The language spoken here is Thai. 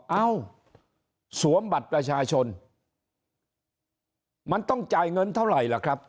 เอ้าสวมบัตรประชาชนมันต้องจ่ายเงินเท่าไหร่ล่ะครับ